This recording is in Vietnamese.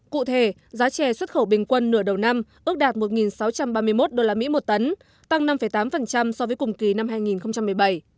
cụ thể giá chè xuất khẩu bình quân nửa đầu năm ước đạt một sáu trăm ba mươi một usd một tấn tăng năm tám so với cùng kỳ năm hai nghìn một mươi bảy